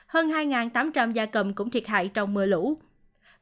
hơn hai tám trăm linh gia cầm cũng thiệt hại trong mưa lũ